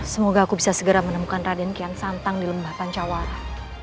semoga aku bisa segera menemukan raden kian santang di lembah pancawara